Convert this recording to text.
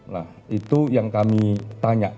nah itu yang kami tanya